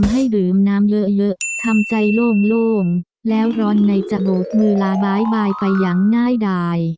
ให้ดื่มน้ำเยอะทำใจโล่งแล้วร้อนในจะโหลดมือลาบ๊ายบายไปอย่างง่ายดาย